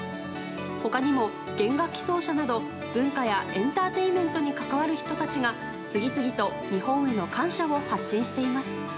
他にも弦楽器奏者など文化やエンターテインメントに関わる人たちが、次々と日本への感謝を発信しています。